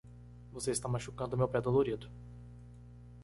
Você está machucando meu pé dolorido.